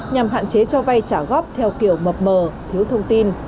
nhằm hạn chế cho vay trả góp theo kiểu mập mờ thiếu thông tin